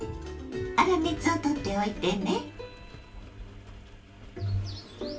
粗熱をとっておいてね。